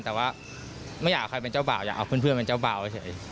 แต่ว่าไม่อยากใครเป็นเจ้าบ่าวอยากเอาเพื่อนเป็นเจ้าบ่าวเฉย